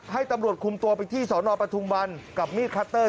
ให้ตำรวจคุมตัวไปที่สนปทุมวันกับมีดคัตเตอร์